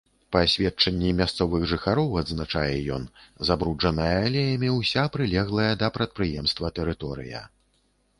Па сведчанні мясцовых жыхароў, адзначае ён, забруджаная алеямі ўся прылеглая да прадпрыемства тэрыторыя.